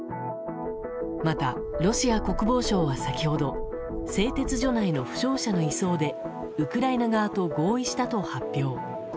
また、ロシア国防相は先ほど製鉄所内の負傷者の移送でウクライナ側と合意したと発表。